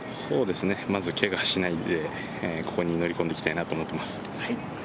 まずけがしないでここに乗り込んできたいなと思っています。